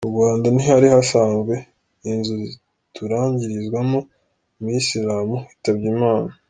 Mu Rwanda ntihari hasanzwe inzu ziturangirizwamo umuyisilamu witabye Imana.